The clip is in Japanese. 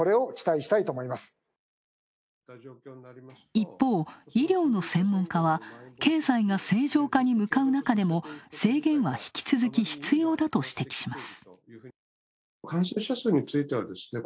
一方、医療の専門家は経済が正常化に向かう中でも制限は引き続き必要だと指摘します。